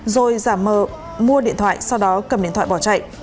rồi giả mờ mua điện thoại sau đó cầm điện thoại bỏ chạy